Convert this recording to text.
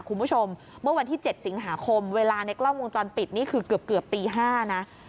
คุณผู้ชมเมื่อวันที่๗สิงหาคมเวลาในกล้องวงจรปิดนี่คือเกือบตี๕นะ